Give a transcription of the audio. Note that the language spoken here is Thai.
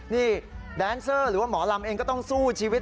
นี่แดนเซอร์หรือว่าหมอลำเองก็ต้องสู้ชีวิต